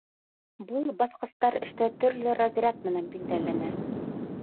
Был баҫҡыстар эштә төрлө разряд менән билдәләнә.